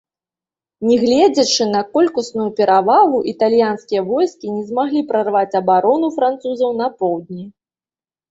Нягледзячы на колькасную перавагу, італьянскія войскі не змаглі прарваць абарону французаў на поўдні.